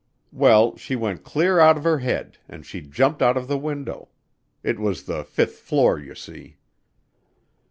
Well, she went clear out of her head and she jumped out of the window. It was the fifth floor, you see."